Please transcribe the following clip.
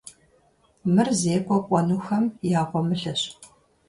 Мыр зекӏуэ кӏуэнухэм я гъуэмылэщ.